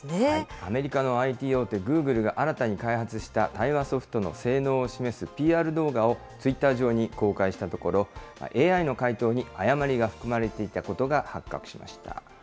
アメリカのＩＴ大手、グーグルが新たに開発した対話ソフトの性能を示すＰＲ動画をツイッター上に公開したところ、ＡＩの回答に誤りが含まれていたことが発覚しました。